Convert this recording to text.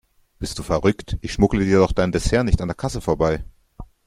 Bist du verrückt, ich schmuggle dir doch dein Dessert nicht an der Kasse vorbei.